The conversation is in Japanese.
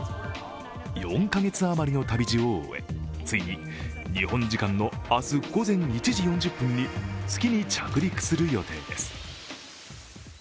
４か月余りの旅路を終え、ついに日本時間の明日午前１時４０分に月に着陸する予定です。